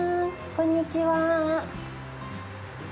こんにちは。